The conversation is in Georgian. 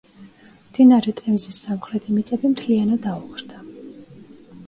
მდინარე ტემზის სამხრეთი მიწები მთლიანად აოხრდა.